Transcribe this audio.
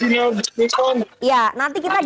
baru menang tiga tiga tahun